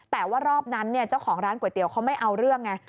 แต่ว่ารอบนั้นเจ้าของร้านก๋วยเตี๋ยเขาไม่เอาเรื่องไง